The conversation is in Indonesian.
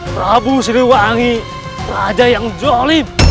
prabu sidiwagi raja yang jolib